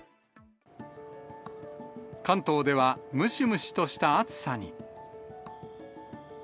関東では、ムシムシとした暑さに。